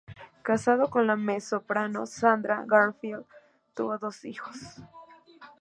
Casado con la mezzosoprano Sandra Warfield, tuvo dos hijos.